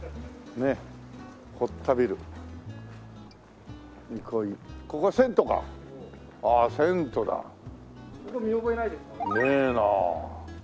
ねえなあ。